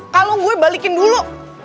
kalung gue balikin dulu